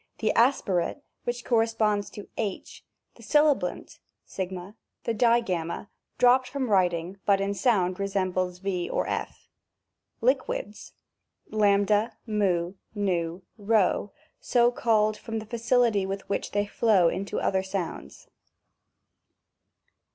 — The Aspirate (*") which corresponds to h ; the Sibilant (g) ; the Digamma, dropped from writing, but in sound resembles V or F. Liquids. — X, fi, Vy p, so called from the facility with which they flow into other sounds.